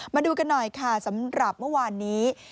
มาดูกันหน่อยค่ะสำหรับเมื่อวานนี้